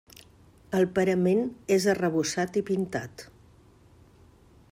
El parament és arrebossat i pintat.